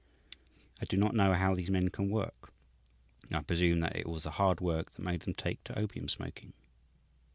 I do not know how these men can work. I presume that it was the hard work that made them take to opium smoking.